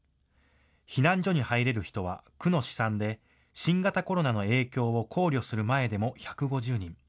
避難所に入れる人は、区の試算で、新型コロナの影響を考慮する前でも１５０人。